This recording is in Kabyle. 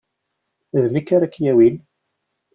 D nekk ara k-yawin.